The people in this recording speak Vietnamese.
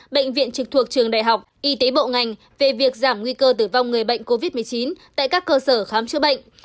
bệnh viện trực thuộc trường đại học y tế bộ ngành về việc giảm nguy cơ tử vong người bệnh covid một mươi chín tại các cơ sở khám chữa bệnh